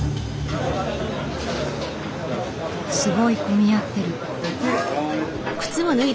すごい混み合ってる。